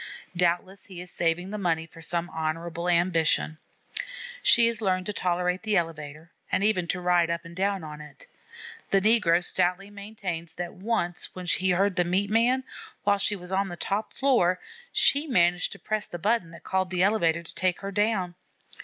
Doubtless he is saving the money for some honorable ambition. She has learned to tolerate the elevator, and even to ride up and down on it. The negro stoutly maintains that once, when she heard the meat man, while she was on the top floor, she managed to press the button that called the elevator to take her down.